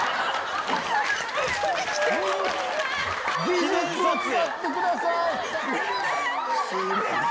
技術を使ってください！